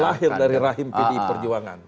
lahir dari rahim pdi perjuangan